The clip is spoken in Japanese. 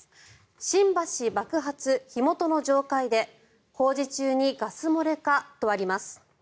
新橋爆発、火元の上階で工事中にガス漏れかとあります。